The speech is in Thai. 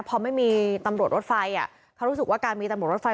พอไม่มีตำรวจรถไฟเขารู้สึกว่าการมีตำรวจรถไฟ